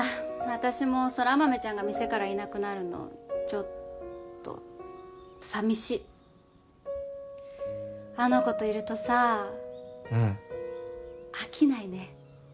私も空豆ちゃんが店からいなくなるのちょっと寂しいあの子といるとさあうん飽きないね